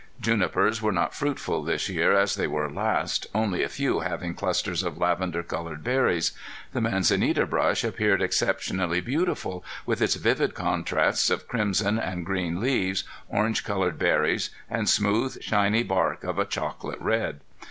Junipers were not fruitful this year as they were last, only a few having clusters of lavender colored berries. The manzanita brush appeared exceptionally beautiful with its vivid contrasts of crimson and green leaves, orange colored berries, and smooth, shiny bark of a chocolate red.